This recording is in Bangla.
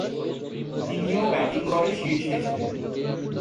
তিনি ও ব্যাটিং গড়ে শীর্ষে ছিলেন।